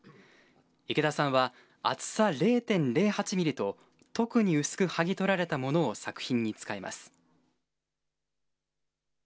池田さんは、厚さ０．０８ミリと、特に薄く剥ぎ取られたものを作品に使います。